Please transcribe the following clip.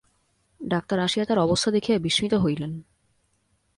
Doctor আসিয়া তার অবস্থা দেখিয়া বিস্মিত হইলেন।